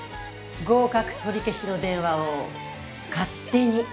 合格取り消しの電話を勝手に入れられる。